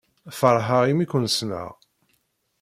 Feṛḥeɣ imi ken-ssneɣ.